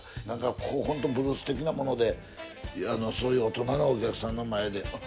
なんかブルース的なものでそういう大人のお客さんの前で。